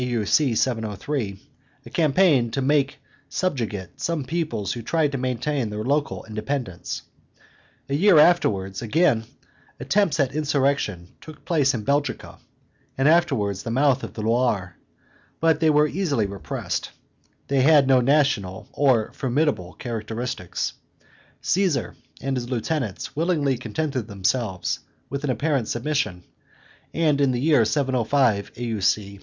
U. C. 703) a campaign to make to subjugate some peoplets who tried to maintain their local independence. A year afterwards, again, attempts at insurrection took place in Belgica, and towards the mouth of the Loire; but they were easily repressed; they had no national or formidable characteristics; Caesar and his lieutenants willingly contented themselves with an apparent submission, and in the year 705 A. U. C.